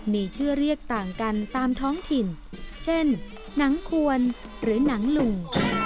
มีชื่อเรียกต่างกันตามท้องถิ่นเช่นหนังควรหรือหนังลุง